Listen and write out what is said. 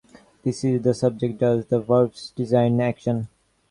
That is, the subject does the verb's designated action.